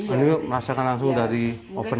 ini yuk rasakan langsung dari oven